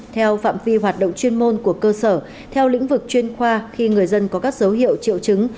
theo phạm vi hoạt động chuyên môn của cơ sở theo lĩnh vực chuyên khoa khi người dân có các dấu hiệu triệu chứng